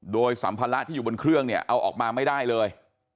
โดยสัมภาระที่อยู่บนเครื่องเนี่ยเอาออกมาไม่ได้เลย